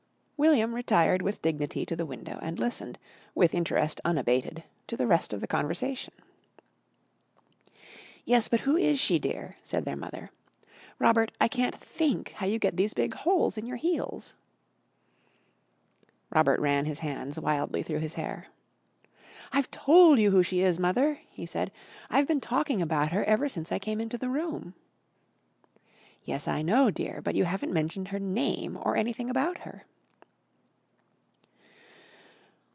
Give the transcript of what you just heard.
William retired with dignity to the window and listened, with interest unabated, to the rest of the conversation. "Yes, but who is she, dear?" said their mother. "Robert, I can't think how you get these big holes in your heels!" Robert ran his hands wildly through his hair. "I've told you who she is, Mother," he said. "I've been talking about her ever since I came into the room." "Yes, I know, dear, but you haven't mentioned her name or anything about her."